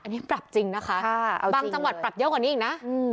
อันนี้ปรับจริงนะคะบางจังหวัดปรับเยอะกว่านี้อีกนะ